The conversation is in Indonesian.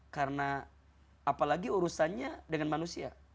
karena apalagi urusannya dengan manusia